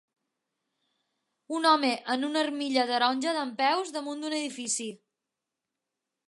Un home amb una armilla taronja dempeus damunt d'un edifici.